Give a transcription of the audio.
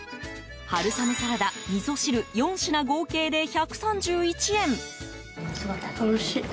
春雨サラダ、みそ汁４品合計で１３１円。